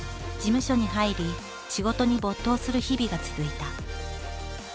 事務所に入り仕事に没頭する日々が続いた。